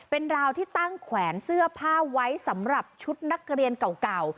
เป็นราวที่ตั้งแขวนเสื้อผ้าไว้สำหรับชุดนักเรียนเก่า